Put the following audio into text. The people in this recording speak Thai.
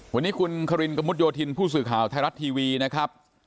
วันนี้คุณคารินกระมุดโยธินผู้สื่อข่าวไทยรัฐทีวีนะครับ